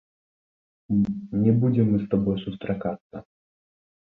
Не будзем мы з табой сустракацца.